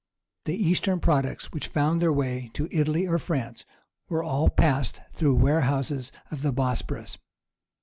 The Eastern products which found their way to Italy or France were all passed through the warehouses of the Bosphorus.